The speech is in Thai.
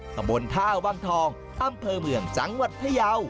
ตำบลท่าวังทองอำเภอเมืองจังหวัดพยาว